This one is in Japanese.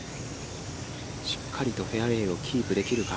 しっかりとフェアウェイをキープできるか。